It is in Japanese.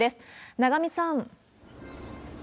永見さん。